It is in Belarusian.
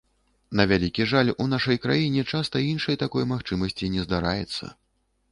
На вялікі жаль, у нашай краіне часта іншай такой магчымасці не здараецца.